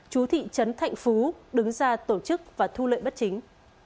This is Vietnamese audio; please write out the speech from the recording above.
chú thị trấn thạnh phú đứng ra tổ chức và thu lợi bất chính